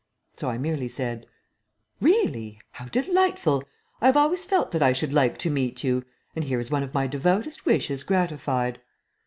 So I merely said: "Really? How delightful! I have always felt that I should like to meet you, and here is one of my devoutest wishes gratified."